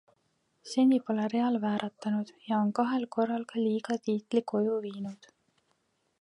Seni pole Real vääratanud ja on kahel korral ka liiga tiitli koju viinud.